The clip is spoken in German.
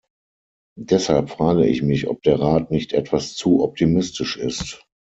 Deshalb frage ich mich, ob der Rat nicht etwas zu optimistisch ist.